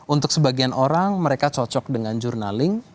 untuk sebagian orang mereka cocok dengan jurnaling